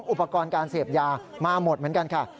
อุปกรณ์การเสพยามาหมดเหมือนกันค่ะ